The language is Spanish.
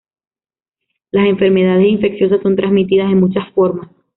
Las enfermedades infecciosas son transmitidas de muchas formas.